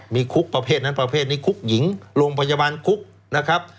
มีคุกประเภทนั้นประเภทนี้คุกหญิงโรงพยาบาลคุกนะครับ